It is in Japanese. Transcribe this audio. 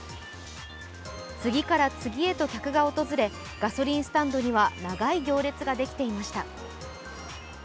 次から次へと客が訪れガソリンスタンドには、長い行列ができていました。